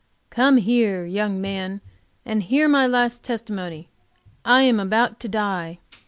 "Come here, young man, and hear my last testimony. I am about to die.